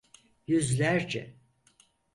Yüzlerce.